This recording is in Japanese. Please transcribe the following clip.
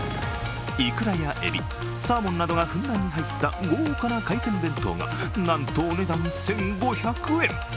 いくらやえび、サーモンなどがふんだんに入った豪華な海鮮弁当がなんとお値段１５００円。